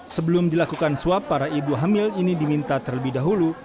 sebelum dilakukan swab para ibu hamil ini diminta terlebih dahulu